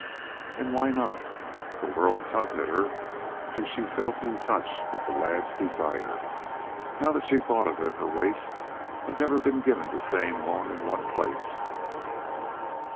And why not? The world tugged at her, and she felt in touch with the lad's desire. Now that she thought of it, her race had never been given to staying long in one place.